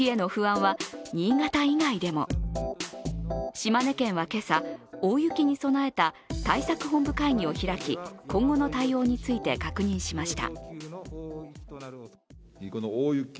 島根県は今朝、大雪に備えた対策本部会議を開き今後の対応について確認しました。